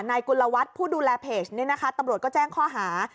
กุลวัฒน์ผู้ดูแลเพจนี้นะคะตำรวจก็แจ้งข้อหา